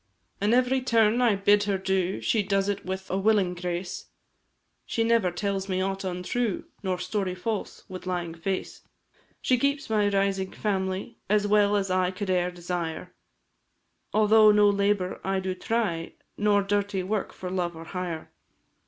An' every turn I bid her do She does it with a willing grace; She never tells me aught untrue, Nor story false, with lying face; She keeps my rising family As well as I could e'er desire, Although no labour I do try, Nor dirty work for love or hire.